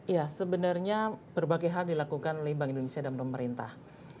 ya sebenarnya berbagai hal dilakukan oleh bank indonesia dan pemerintah